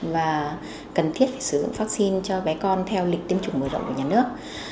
và cần thiết phải sử dụng vaccine cho bé con theo lịch tiêm chủng mở rộng của nhà nước